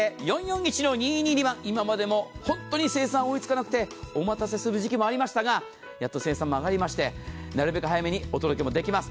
今までもホントに生産追いつかなくて、お待たせする時期もありましたが、やっと生産も上がりまして、なるべく早くお届けもできます。